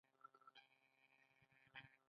او یوځای پاتې شي.